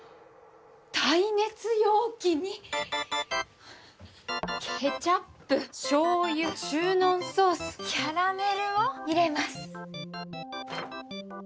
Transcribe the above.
「耐熱容器にケチャップ醤油中濃ソースキャラメルを入れます」